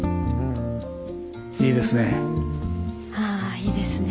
いいですね。